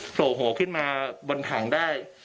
โผล่ขึ้นมาบนถังได้